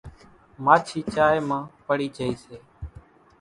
ماڇِي چائيَ مان پڙِي جھئِي سي۔